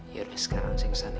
ya udah sekarang saya kesana ya